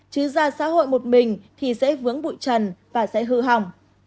chứ ra xã hội một mình thì dễ vướng bụi trần và sẽ hư hỏng